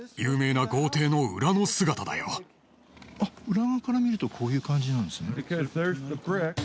裏側から見るとこういう感じなんですね